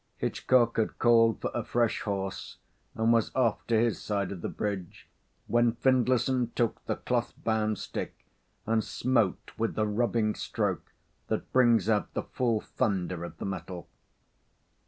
Hitchcock had called for a fresh horse, and was off to his side of the bridge when Findlayson took the cloth bound stick and smote with the rubbing stroke that brings out the full thunder of the metal.